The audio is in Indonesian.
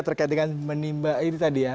terkait dengan menimba ini tadi ya